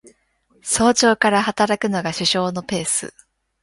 早朝から働くのが首相のペース